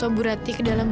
ada di dalam kalung ini